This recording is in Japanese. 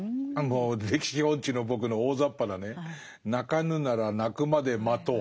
歴史音痴の僕の大ざっぱなね「鳴かぬなら鳴くまで待とう」。